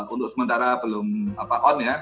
untuk sementara belum on ya